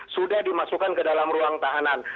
sudah dimasukkan ke dalam ruang tahanan